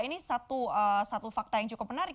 ini satu fakta yang cukup menarik